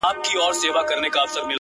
اوس خورا په خړپ رپيږي ورځ تېرېږي،